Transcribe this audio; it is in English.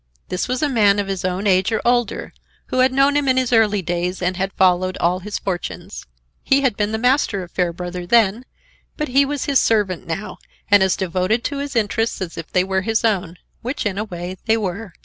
This was a man of his own age or older, who had known him in his early days, and had followed all his fortunes. He had been the master of Fairbrother then, but he was his servant now, and as devoted to his interests as if they were his own,—which, in a way, they were.